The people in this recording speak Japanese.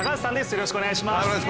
よろしくお願いします。